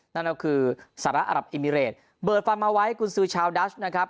นั่นก็คือสหรัฐอรับอิมิเรตเปิดฟันมาไว้กุญซือชาวดัชนะครับ